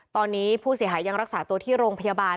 ตอนนี้ผู้เสียหายยังรักษาตัวที่โรงพยาบาล